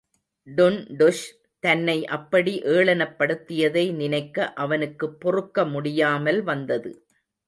டுன்டுஷ் தன்னை அப்படி ஏளனப்படுத்தியதை நினைக்க அவனுக்குப் பொறுக்க முடியாமல் வந்தது.